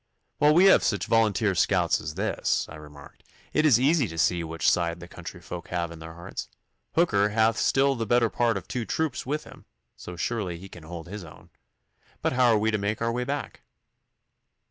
'While we have such volunteer scouts as this,' I remarked, 'it is easy to see which side the country folk have in their hearts. Hooker hath still the better part of two troops with him, so surely he can hold his own. But how are we to make our way back?